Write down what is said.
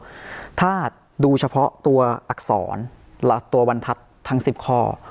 ถ้าดูเฉพาะตัวอักษรตัวบรรทัศน์ทั้ง๑๐ข้อ